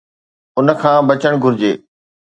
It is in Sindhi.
ان کان بچڻ گهرجي.